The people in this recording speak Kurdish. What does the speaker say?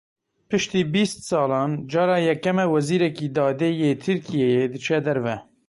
Piştî bîst salan cara yekem e wezîrekî dadê yê Tirkiyeyê diçe derve.